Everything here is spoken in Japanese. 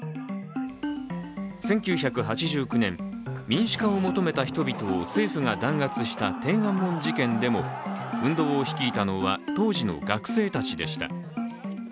１９８９年、民主化を求めた人々を政府が弾圧した天安門事件でも運動を率いたのは当時の学生たちでした。